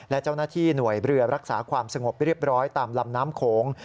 และเจ้าหน้าที่หน่วยเรือรักษาความสงบเรียบร้อยตามลำน้ำโขง